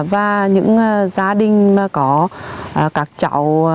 và những gia đình có các cháu